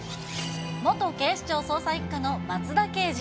元警視庁捜査１課の松田刑事。